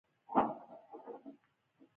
نجلۍ له زړګي ژوند کوي.